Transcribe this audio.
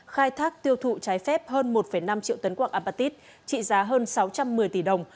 khai thác tiêu thụ trái phép hơn một năm triệu tấn quạng apatit trị giá hơn sáu trăm một mươi tỷ đồng